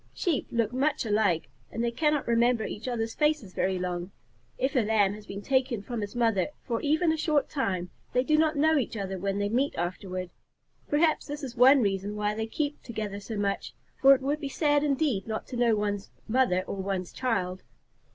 Sheep look much alike, and they cannot remember each other's faces very long. If a Lamb is taken away from his mother for even a short time, they do not know each other when they meet afterward. Perhaps this is one reason why they keep together so much, for it would be sad indeed not to know one's mother or one's child.